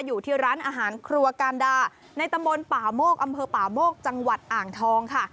อยู่ที่ร้านอาหารครัวการดาในตำบลป่าโมกอำเภอป่าโมกจังหวัดอ่างทองค่ะ